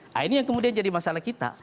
nah ini yang kemudian jadi masalah kita